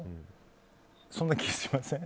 そんな気しません？